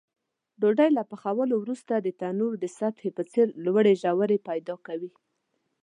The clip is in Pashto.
ډوډۍ له پخېدلو وروسته د تنور د سطحې په څېر لوړې ژورې پیدا کوي.